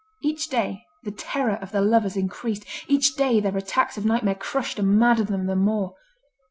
Each day, the terror of the lovers increased, each day their attacks of nightmare crushed and maddened them the more.